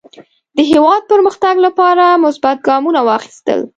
د هېواد پرمختګ لپاره مثبت ګامونه واخیستل.